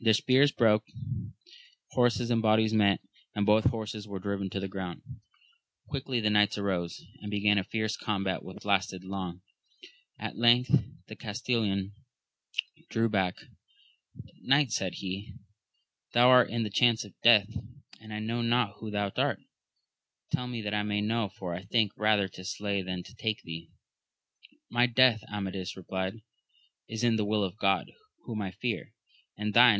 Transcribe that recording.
The spears brake; horses and bodies met, and both horses were driyeii to \Xi^ ^omiA. ^^0«Ji:«j \3sssk u AMADIS OF GAUL. 121 knights arose, and began a fierce combat which lasted j long ; at length the Castellan drew back, Knight, sai^^^^ he, thou art in the chance of death, and I know not who thou art : tell me that I may know, for I think rather to slay than take thee. My death, Amadis replied, is in the will of God, whom I fear ; and thine